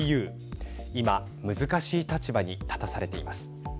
今、難しい立場に立たされています。